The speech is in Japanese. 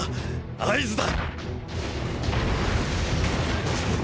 合図だ！！